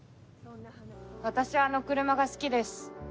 私、あの車が好きです。